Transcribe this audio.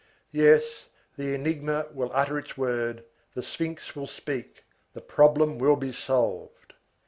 Yes, the enigma will utter its word, the sphinx will speak, the problem will be solved.